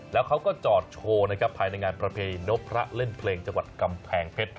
แล้วเขาก็จอดโชว์ภายในงานประเพณีนพพระเล่นเพลงจังหวัดกำแพงเพชร